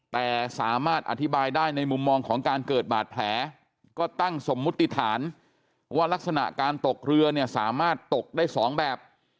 แต่สามารถอธิบายได้ในมุมมองของการเกิดบาดแผลก็ตั้งสมมุติฐานว่ารักษณะการตกเรือเนี่ยสามารถตกได้สองแบบ